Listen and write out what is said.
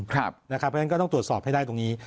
เพราะฉะนั้นก็ต้องตรวจสอบให้ได้ตรงนี้